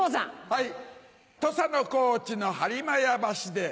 はい。